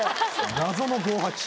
謎の五・八。